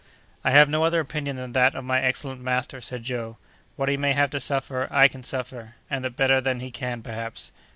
"I have no other opinion than that of my excellent master," said Joe; "what he may have to suffer, I can suffer, and that better than he can, perhaps.